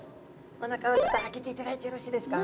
おなかをちょっと開けていただいてよろしいですか？